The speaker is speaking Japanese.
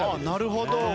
なるほど。